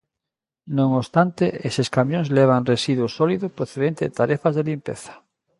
Non obstante, eses camións levan residuo sólido procedente de tarefas de limpeza.